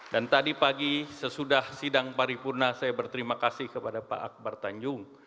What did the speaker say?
dan tadi pagi sesudah sidang paripurna saya berterima kasih kepada pak akbar tanjung